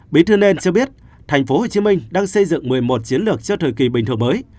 bí thư nên cho biết tp hcm đang xây dựng một mươi một chiến lược cho thời kỳ bình thường mới